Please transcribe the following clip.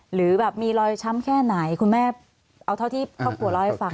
หรือแบบมีรอยช้ำแค่ไหนคุณแม่เอาเท่าที่ครอบครัวเล่าให้ฟัง